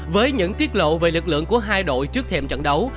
với những tiết lộ về lực lượng của hai đội trước thêm trận đấu